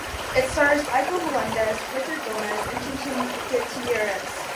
It stars Aiko Melendez, Richard Gomez and Chin-Chin Gutierrez.